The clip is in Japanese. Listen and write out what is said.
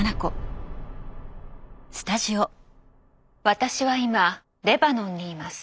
「私は今レバノンにいます」。